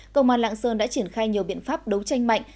công an lạng sơn đã triển khai nhiều biện pháp đấu tranh mạnh